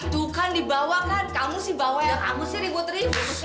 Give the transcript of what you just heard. tuh kan dibawah kan kamu sih bawa yang kamu sih ribut ribut